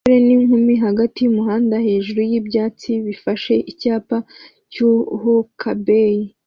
Umusore n'inkumi hagati yumuhanda hejuru yibyatsi bifashe icyapa cya Huckabee